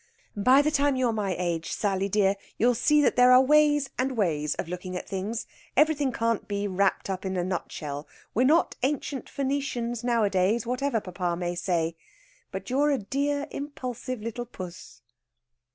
"By the time you're my age, Sally dear, you'll see there are ways and ways of looking at things. Everything can't be wrapped up in a nutshell. We're not Ancient Phoenicians nowadays, whatever papa may say. But you're a dear, impulsive little puss."